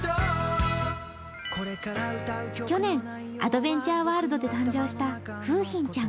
去年、アドベンチャーワールドで誕生した、フウヒンちゃん。